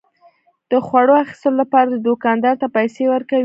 د خوړو اخیستلو لپاره دوکاندار ته پيسى ورکوي.